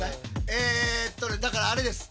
えっとねだからあれです。